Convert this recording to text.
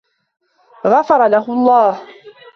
غفرله الله.